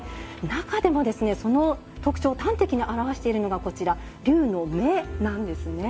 中でもその特徴を端的に表しているのがこちら龍の目なんですね。